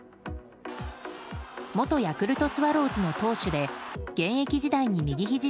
元ヤクルトスワローズの投手で現役時代に右ひじ